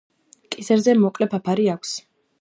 კისერზე მოკლე ფაფარი აქვს.